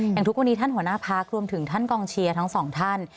ทุกวันนี้ท่านหัวหน้าพักรวมถึงท่านกองเชียร์ทั้งสองท่าน